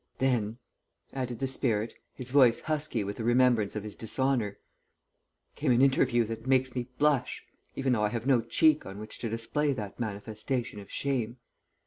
"Then," added the spirit, his voice husky with the remembrance of his dishonour, "came an interview that makes me blush, even though I have no cheek on which to display that manifestation of shame.